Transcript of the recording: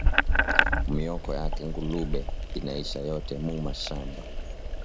Myoko yake ngulube inaisha yote mu shamba